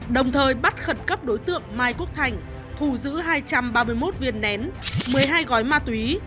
đồng thời bắt khẩn cấp đối tượng mai quốc thành thu giữ hai trăm ba mươi một viên nén một mươi hai gói ma túy